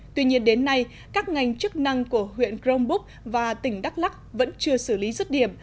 tuy nhiên đến nay các ngành chức năng của huyện crong búc và tỉnh đắk lắc vẫn chưa xử lý rứt điểm